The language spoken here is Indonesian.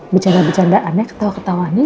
bercanda bercanda aneh ketawa ketawa nih